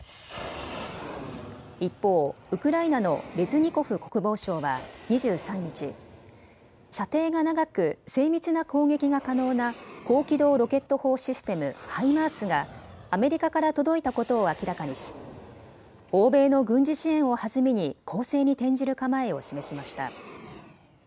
一方、ウクライナのレズニコフ国防相は２３日、射程が長く精密な攻撃が可能な高機動ロケット砲システム、ハイマースがアメリカから届いたことを明らかにし欧米の軍事支援を弾みに攻勢に転じる構えを示しました。